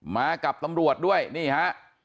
มากับตำรวจด้วยนี่ฮะ